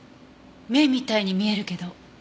目みたいに見えるけど。